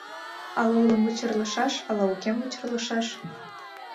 Ала улым вычырлышаш, ала укем вычырлышаш?